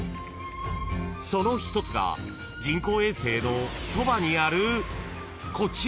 ［その一つが人工衛星のそばにあるこちら］